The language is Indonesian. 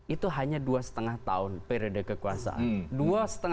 itu hanya dua lima tahun periode kekuasaan